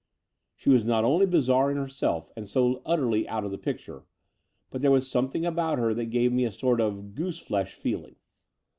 She was not only bizarre in herself and so utterly out of the picture, but there was something about her that gave me a sort of "goose flesh " feeling.